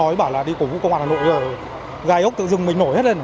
nói bảo là đi cổ vũ công an hà nội rồi gai ốc tự dưng mình nổi hết lên